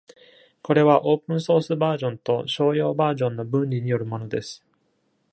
これは、オープンソースバージョンと商用バージョンの分離によるものです。